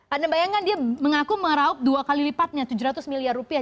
anda bayangkan dia mengaku meraup dua kali lipatnya tujuh ratus miliar rupiah